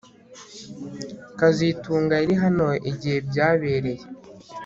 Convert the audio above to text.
kazitunga yari hano igihe byabereye